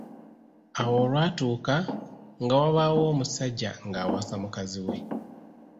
Awo olwatuuka nga wabaawo omusajja ng’awasa mukazi we.